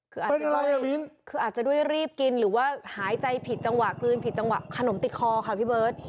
คืออาจจะคืออาจจะด้วยรีบกินหรือว่าหายใจผิดจังหวะกลืนผิดจังหวะขนมติดคอค่ะพี่เบิร์ต